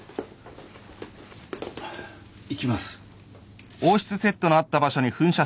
いきます。